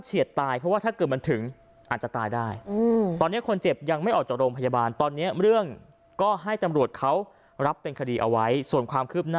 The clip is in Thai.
ตายเพราะว่าถ้าเกิดมันถึงอาจจะตายได้ตอนนี้คนเจ็บยังไม่ออกจากโรงพยาบาลตอนนี้เรื่องก็ให้ตำรวจเขารับเป็นคดีเอาไว้ส่วนความคืบหน้า